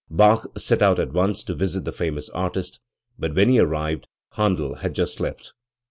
Bach set out at once to visit the famous artist; but when he arrived Handel had just left.